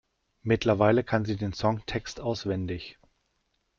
Mittlerweile kann sie den Songtext auswendig.